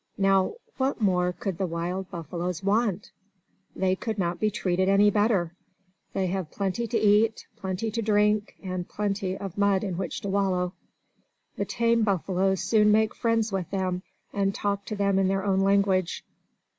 Now, what more could the wild buffaloes want? They could not be treated any better! They have plenty to eat, plenty to drink, and plenty of mud in which to wallow. The tame buffaloes soon make friends with them, and talk to them in their own language.